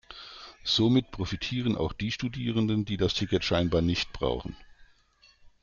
Somit profitieren auch die Studierenden, die das Ticket scheinbar nicht brauchen.